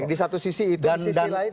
di satu sisi itu